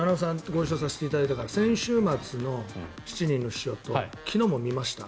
ご一緒させていただいたから先週末の「七人の秘書」と昨日も見ました。